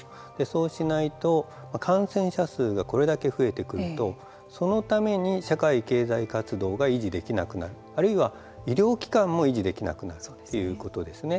そうしないと感染者数がこれだけ増えてくるとそのために社会経済活動が維持できなくなるあるいは医療機関も維持できなくなるということですね。